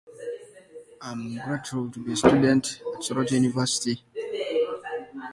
Of the remaining arches the largest span is between the third and fourth piles.